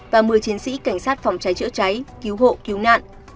và một mươi chiến sĩ cảnh sát phòng cháy chữa cháy cứu hộ cứu nạn